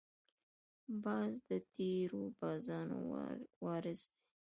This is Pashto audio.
باز د تېرو بازانو وارث دی